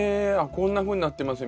こんなふうになってますよ